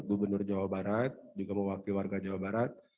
gubernur jawa barat juga mewaki warga jawa barat